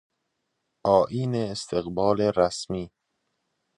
آیین استقبال رسمی